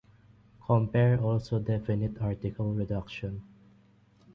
Compare also definite article reduction.